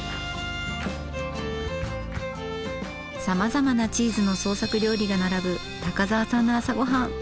さまざまなチーズの創作料理が並ぶ高沢さんの朝ごはん。